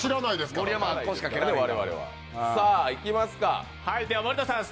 さぁ、いきますか。